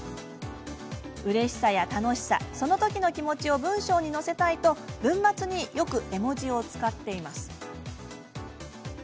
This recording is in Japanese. うれしさや楽しさそのときの気持ちを文章に乗せたいと文末によく絵文字を使っています。